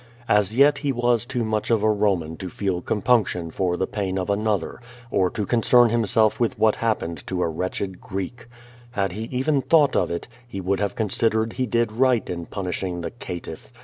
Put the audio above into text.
As yet he was too much of a Roman to feel compunc tion for the pain of another, or to concern himself with what liappened to a wretched Ctreek. Had he even thought of it, he would have considered he did right in punishing the caitiff.